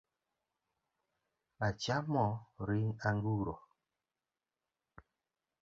Achamo ring' anguro